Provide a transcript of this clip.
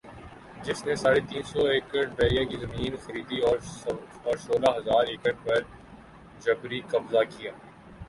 جس نے ساڑھے تین سو ایکڑبحریہ کی زمین خریدی اور سولہ ھزار ایکڑ پر جبری قبضہ کیا